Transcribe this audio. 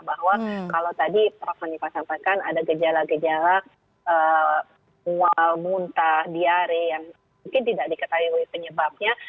bahwa kalau tadi prof hanifah sampaikan ada gejala gejala mual muntah diare yang mungkin tidak diketahui penyebabnya